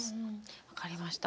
分かりました。